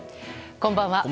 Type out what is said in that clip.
こんばんは。